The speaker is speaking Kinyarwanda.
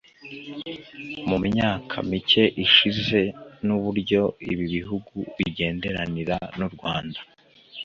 mu myaka mike ishize n’uburyo ibi bihugu bigenderanira n’u Rwanda